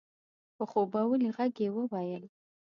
په خوبولي غږ يې وويل؛